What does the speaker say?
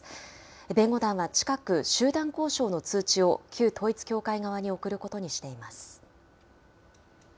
弁護団は近く、集団交渉の通知を旧統一教会側に送ることにしています。